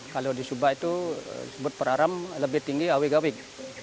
kalau di subak itu disebut peraram lebih tinggi awig awig